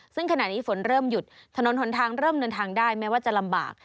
ซึ่งขณะนี้ฝนเริ่มหยุดถนนหนทางเริ่มเดินทางได้แม้ว่าจะลำบาก